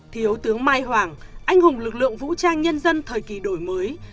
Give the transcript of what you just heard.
thiếu tướng mai hoàng anh hùng lực lượng vũ trang nhân dân thời kỳ đổi mới